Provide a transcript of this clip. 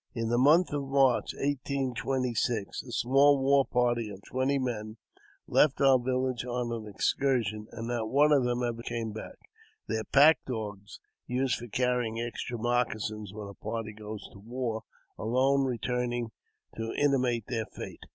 In the month of March (1826), a small war party of twenty men left our village on an excursion, and not one of them ever came back, their pack dogs (used for carrying extra moccasins when a party goes to war) alone returning to intimate their fate.